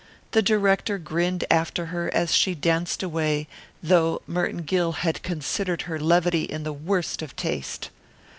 The director grinned after her as she danced away, though Merton Gill had considered her levity in the worst of taste.